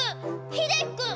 ひできくん！